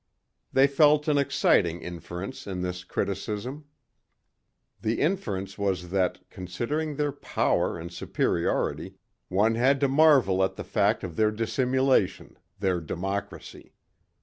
They felt an exciting inference in this criticism. The inference was that, considering their power and superiority, one had to marvel at the fact of their dissimulation their democracy.